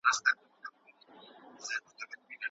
د کیبورډ غږ په ارامه خونه کې انګازې کولې.